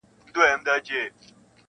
دا صفت مي په صفاتو کي د باز دی,